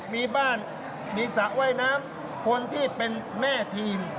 มีบ้านมีสระว่ายน้ำคนที่เป็นแม่ทีม